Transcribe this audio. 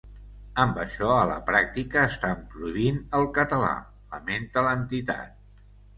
Amb això a la pràctica estan prohibint el català, lamenta l’entitat.